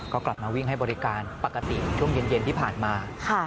ก็กลับมาวิ่งให้บริการปกติช่วงเย็นที่ผ่านมา